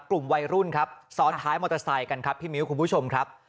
กลุ่มวัยรุ่นครับซ้อนท้ายมอเตอร์ไซค์กันครับพี่มิ้วคุณผู้ชมครับ